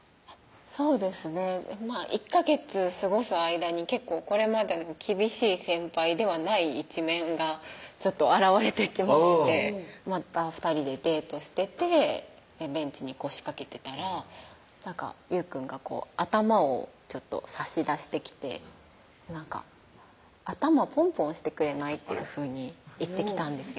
そうですね１ヵ月過ごす間に結構これまでの厳しい先輩ではない一面が現れてきましてまた２人でデートしててベンチに腰掛けてたら優くんが頭を差し出してきてなんか「頭ポンポンしてくれない？」っていうふうに言ってきたんですよ